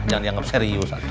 jangan dianggap serius